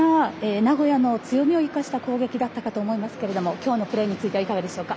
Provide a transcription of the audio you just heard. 名古屋の強みを生かした攻撃だったと思いますが今日のプレーについてはいかがでしょうか。